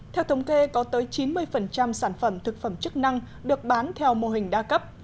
theo thống kê có tới chín mươi sản phẩm thực phẩm chức năng được bán theo mô hình đa cấp